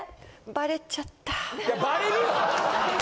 バレちゃった。